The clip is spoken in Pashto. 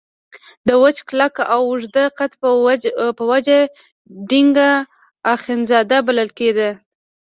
د وچ کلک او اوږده قد په وجه ډینګ اخندزاده بلل کېده.